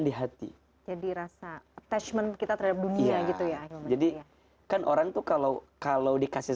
di hati jadi rasa attachment kita terhadap dunia gitu ya jadi kan orang tuh kalau kalau dikasih